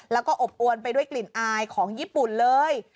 แล้วก็อบอวนไปด้วยกลิ่นอายของญี่ปุ่นเลย